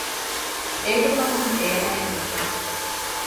އޭގެ ފަހުން އޭނައެއް ނުފެނެ